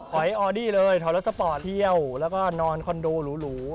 อยออดี้เลยถอยรถสปอร์ตเที่ยวแล้วก็นอนคอนโดหรู